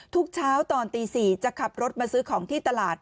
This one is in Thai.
ทุกเช้าตอนตี๔จะขับรถมาซื้อของที่ตลาด